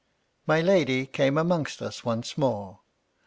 My Lady came amongst us once more.